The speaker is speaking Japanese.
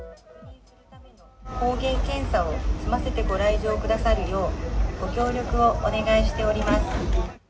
抗原検査を済ませてご来場くださるよう、ご協力をお願いしております。